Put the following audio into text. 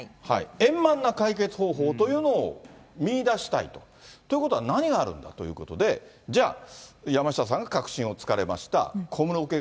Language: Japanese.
円満な解決方法というのを見いだしたいと。ということは、何があるんだということで、じゃあ山下さんが核心を突かれました。